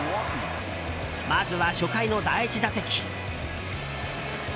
まずは、初回の第１打席。